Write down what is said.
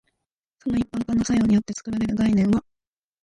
その一般化の作用によって作られる概念は、